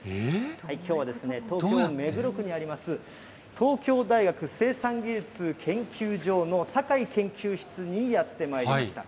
きょうは東京・目黒区にあります、東京大学生産技術研究所の酒井研究室にやってまいりました。